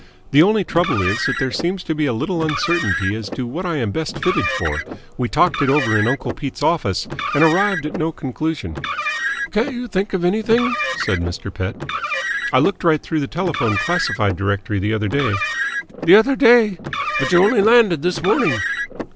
"The only trouble is that there seems to be a little uncertainty as to what I am best fitted for. We talked it over in uncle Pete's office and arrived at no conclusion." "Can't you think of anything?" said Mr. Pett. "I looked right through the telephone classified directory the other day " "The other day? But you only landed this morning."